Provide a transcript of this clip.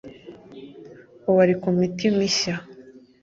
Ubu ari ku miti mishya